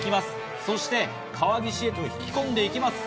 そして河岸へと引き込んでいきます。